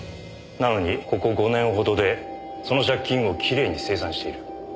なのにここ５年ほどでその借金をきれいに清算している。